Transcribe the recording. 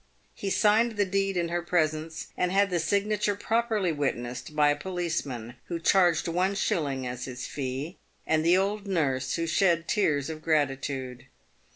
He signed the deed in her presence, and had the signature properly witnessed, by a policeman, who charged one shilling as his fee, and the old nurse, who shed tears of gratitude.